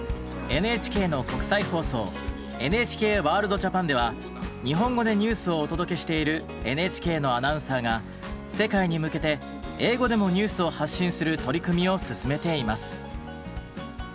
ＮＨＫの国際放送「ＮＨＫワールドＪＡＰＡＮ」では日本語でニュースをお届けしているＮＨＫのアナウンサーが世界に向けて英語でもニュースを発信する取り組みを進めています。